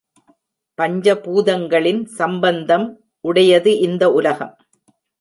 பஞ்ச பூதங்களின் சம்பந்தம் உடையது இந்த உலகம்.